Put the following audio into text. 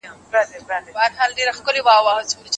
که تعلیمي ویډیو وي نو خلګ نه وروسته کیږي.